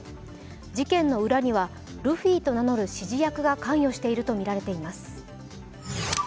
事件の裏にはルフィと名乗る指示役が関与しているとみられています。